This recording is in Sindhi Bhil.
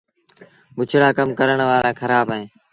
بُڇڙآ ڪم ڪرڻ وآرآ کرآب اهين۔